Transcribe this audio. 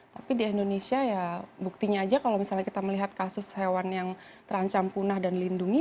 tapi di indonesia ya buktinya aja kalau misalnya kita melihat kasus hewan yang terancam punah dan lindungi